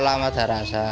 sama darah saya